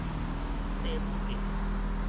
綴母嫁